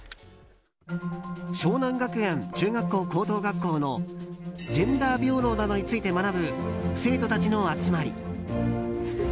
湘南学園中学校高等学校のジェンダー平等などについて学ぶ生徒たちの集まり。